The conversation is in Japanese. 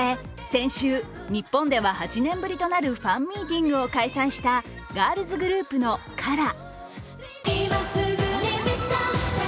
先週、日本では８年ぶりとなるファンミーティングを開催したガールズグループのＫＡＲＡ。